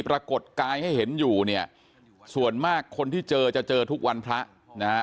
ปรากฏกายให้เห็นอยู่เนี่ยส่วนมากคนที่เจอจะเจอทุกวันพระนะฮะ